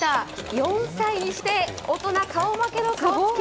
４歳にして大人顔負けの顔つき。